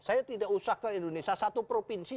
saya tidak usah ke indonesia satu provinsi